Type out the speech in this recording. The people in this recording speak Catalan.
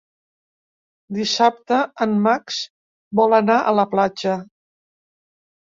Dissabte en Max vol anar a la platja.